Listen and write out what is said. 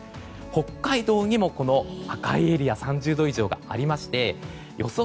北海道にも赤いエリア３０度以上がありまして予想